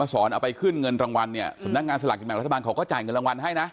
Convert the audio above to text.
สอนเอาไปขึ้นเงินรางวัลเนี่ยสำนักงานสลากกินแบ่งรัฐบาลเขาก็จ่ายเงินรางวัลให้นะ